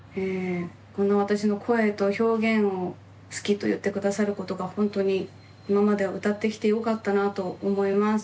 こんな私の声と表現を好きと言って下さることがほんとに今まで歌ってきてよかったなと思います。